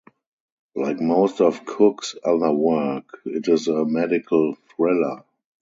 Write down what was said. Like most of Cook's other work, it is a medical thriller.